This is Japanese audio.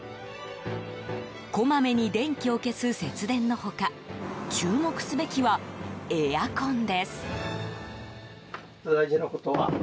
こまめに電気を消す節電の他注目すべきはエアコンです。